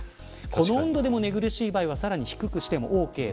この温度でも寝苦しい場合はさらに低くしてもオーケー。